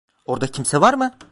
Orada kimse var mı?